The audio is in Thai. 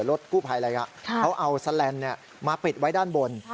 รถกู้ภัยอะไรเขาเอาแสลนด์มาปิดไว้ด้านบน